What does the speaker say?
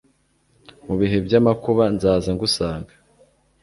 mu bihe by'amakuba, nzaza ngusanga